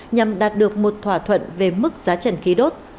nhằm đạt được một thỏa thuận về mức giá trần khí đốt